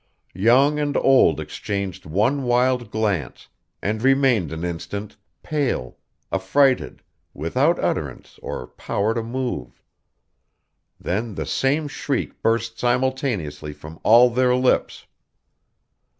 Young and old exchanged one wild glance, and remained an instant, pale, affrighted, without utterance, or power to move. Then the same shriek burst simultaneously from all their lips.